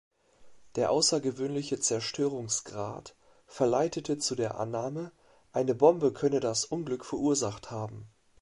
Der außergewöhnliche Zerstörungsgrad verleitete zu der Annahme, eine Bombe könne das Unglück verursacht haben.